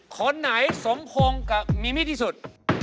คนไหนสมพงษ์กับมีมี่ที่สุด